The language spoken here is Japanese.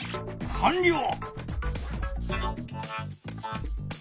かんりょう！